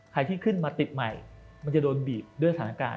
ใครที่ขึ้นมาติดใหม่มันจะโดนบีบด้วยสถานการณ์